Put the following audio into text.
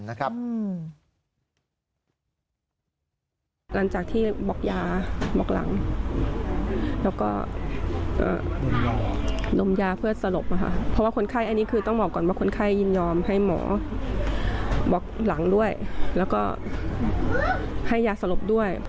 หลังจากที่บอกยาบอกหลังแล้วก็ดมยาเพื่อสลบนะคะเพราะว่าคนไข้อันนี้คือต้องบอกก่อนว่าคนไข้ยินยอมให้หมอบอกหลังด้วยแล้วก็ให้ยาสลบด้วย